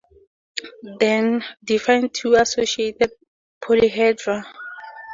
Then define two associated polyhedra.